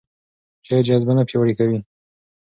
شعر جذبه نه پیاوړې کوي.